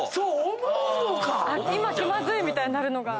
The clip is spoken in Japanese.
今気まずい！みたいになるのが。